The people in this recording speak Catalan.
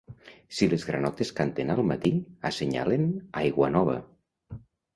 Si les granotes canten al matí, assenyalen aigua nova.